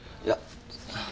いや。